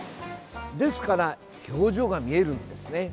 ですから表情が見えるんですね。